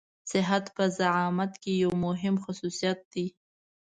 صحت په زعامت کې يو مهم خصوصيت دی.